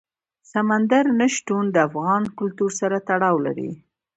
سمندر نه شتون د افغان کلتور سره تړاو لري.